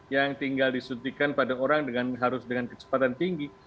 yang tinggal disuntikan pada orang dengan harus dengan kecepatan tinggi